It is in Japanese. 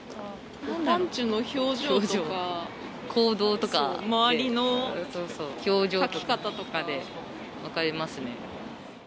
おぱんちゅの表情とか、行動とか、周りの描き方とかで分かりますね。